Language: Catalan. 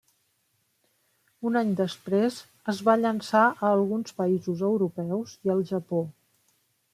Un any després es va llançar a alguns països europeus i al Japó.